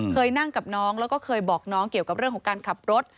เคยนั่งกับน้องแล้วก็เคยบอกน้องเกี่ยวกับเรื่องของการขับรถ